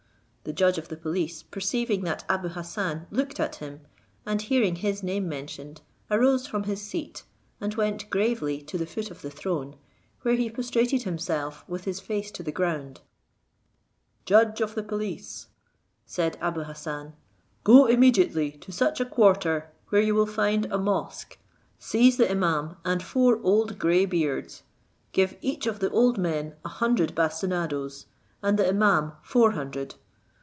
The judge of the police perceiving that Abou Hassan looked at him, and hearing his name mentioned, arose from his seat, and went gravely to the foot of the throne, where he prostrated himself with his face to the ground. "Judge of the police," said Abou Hassan, "go immediately to such a quarter, where you will find a mosque, seize the imaum and four old grey beards, give each of the old men a hundred bastinadoes, and the imaum four hundred.